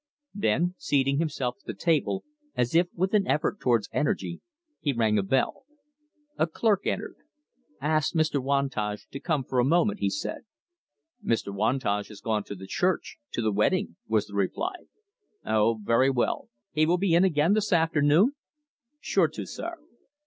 Then, seating himself at the table, as if with an effort towards energy, he rang a bell. A clerk entered. "Ask Mr. Wantage to come for a moment," he said. "Mr. Wantage has gone to the church to the wedding," was the reply. "Oh, very well. He will be in again this afternoon?" "Sure to, sir."